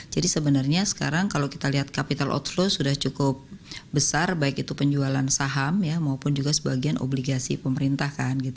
jadi sebenarnya sekarang kalau kita lihat capital outflow sudah cukup besar baik itu penjualan saham maupun juga sebagian obligasi pemerintah